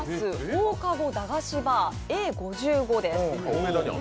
放課後駄菓子バーＡ−５５です。